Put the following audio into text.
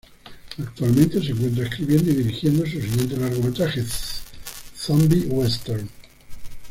Actualmente se encuentra escribiendo y dirigiendo su siguiente largometraje: "Zombie Western".